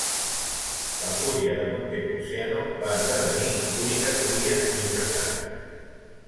La Cúria de Montepulciano va esdevenir l'única cúria diocesana.